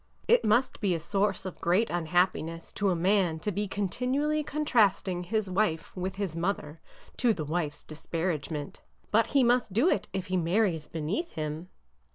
It must be a source of great unhappiness to a man to be continually contrasting his wife with his mother, to the wife's disparagement. But he must do it if he marries beneath him."